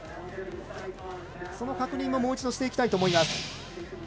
その確認もしていきたいと思います。